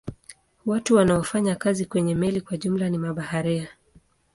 Watu wanaofanya kazi kwenye meli kwa jumla ni mabaharia.